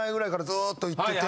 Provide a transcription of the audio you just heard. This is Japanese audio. ずっと行ってて？